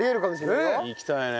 いきたいね。